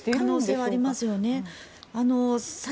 可能性はありますよね。